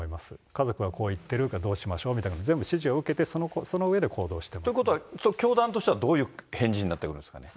家族はこう言ってるけどどうしましょうって、全部指示を受けて、ということは、教団としてはどういう返事になってるんですかね。